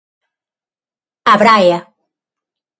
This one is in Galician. Abraia.